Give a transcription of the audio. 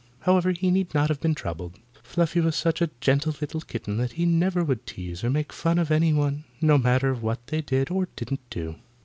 However, he need not have been troubled. Fluffy was such a gentle little kitten that he never would tease or make fun of any one, no matter what they did or didn't do.